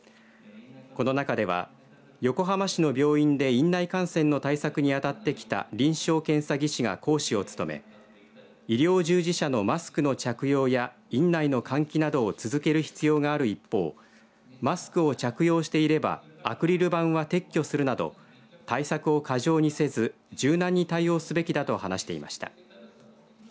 この中では横浜市の病院で院内感染の対策に当たってきた臨床検査技師が講師を務め医療従事者のマスクの着用や院内の換気などを続ける必要がある一方マスクを着用していればアクリル板は撤去するなど対策を過剰にせず柔軟に対応すべきだと話していました。